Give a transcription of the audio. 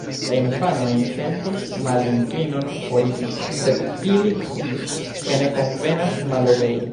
La infanoj sentis malinklinon foriri, sed ili sciis, ke ne konvenas malobei.